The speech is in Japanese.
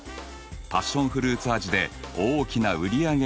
パッションフルーツ味で大きな売り上げが見込める。